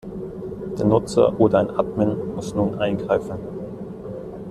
Der Nutzer oder ein Admin muss nun eingreifen.